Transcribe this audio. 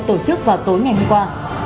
tổ chức vào tối ngày hôm qua